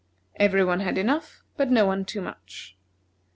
Every one had enough, but no one too much.